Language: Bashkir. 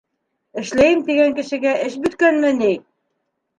Эшләйем тигән кешегә эш бөткәнме ни?!